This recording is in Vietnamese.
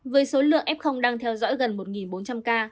với số lượng f đang theo dõi gần một bốn trăm linh ca